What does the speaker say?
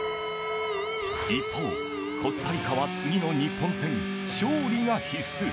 一方、コスタリカは次の日本戦勝利が必須。